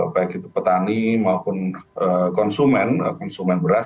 baik itu petani maupun konsumen konsumen beras